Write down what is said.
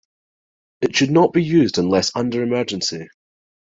It should not be used unless under emergency.